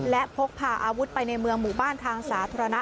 และพกพาอาวุธไปในเมืองหมู่บ้านทางสาธารณะ